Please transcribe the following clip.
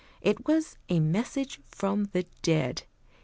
It was a message from the dead.